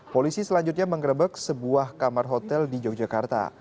polisi selanjutnya mengerebek sebuah kamar hotel di yogyakarta